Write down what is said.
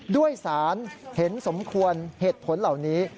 ด้วยสารเห็นสมควรเหตุผลเหล่านี้